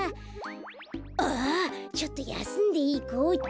ああちょっとやすんでいこうっと。